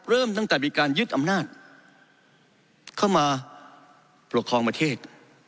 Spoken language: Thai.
เริ่มตั้งแต่มีการยึดอำนาจเข้ามาปกครองประเทศ